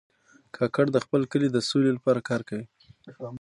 کاکړ د خپل کلي د سولې لپاره کار کوي.